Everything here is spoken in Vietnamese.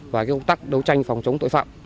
và công tác đấu tranh phòng chống tội phạm